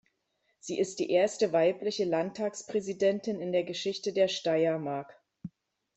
Sie ist die erste weibliche Landtagspräsidentin in der Geschichte der Steiermark.